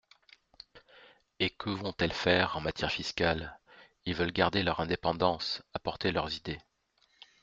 Et que vont-elles faire en matière fiscale ? Ils veulent garder leur indépendance, apporter leurs idées.